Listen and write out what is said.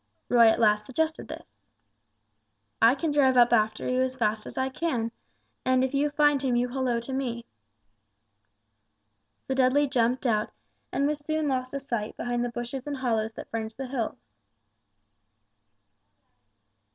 Roy at last suggested this. "I can drive up after you as fast as I can; and if you find him you holloa to me." So Dudley jumped out and was soon lost to sight behind the bushes and hollows that fringed the hills.